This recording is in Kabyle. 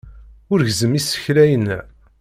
Ur gezzem isekla-inna.